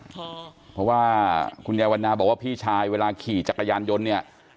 เพราะว่าคุณยายวันนาบอกว่าพี่ชายเวลาขี่จักรยานยนต์เนี่ย